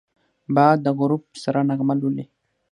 باد د غروب سره نغمه لولي